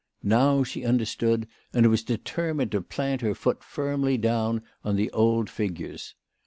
Now she understood, and was determined to plant her foot firmly down on the old figures.